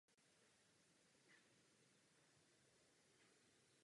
Skutečné jméno letadla mělo být zvoleno až v okamžiku dokončení původního projektu.